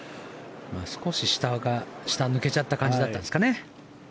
少し下に抜けちゃった感じなんですかね。